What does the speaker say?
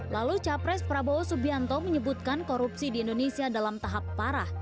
lalu capres prabowo subianto menyebutkan korupsi di indonesia dalam tahap parah